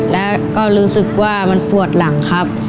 แล้วก็รู้สึกว่ามันปวดหลังครับ